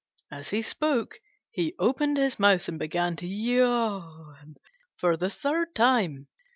As he spoke he opened his mouth and began to yawn for the third time.